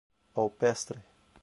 Alpestre